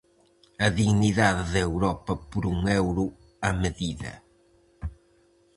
A dignidade de Europa por un euro a medida.